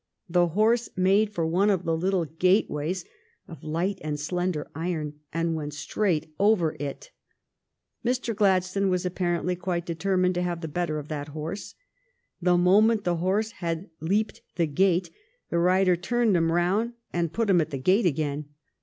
The horse made for one of the little gate ways — of light and slender iron — and went straight over it. Mr. Gladstone was apparently quite deter mined to have the better of that horse. The mo ment the horse had leaped the gate the rider turned him round and put him at the gate again.